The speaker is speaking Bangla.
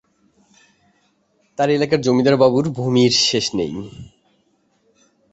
তার এলাকার জমিদার বাবুর ভূমির শেষ নেই।